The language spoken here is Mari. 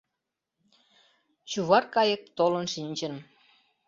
Чувар кайык толын шинчын.